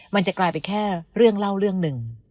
มันจะกลายเป็นแค่เรื่องเล่าเรื่องหนึ่ง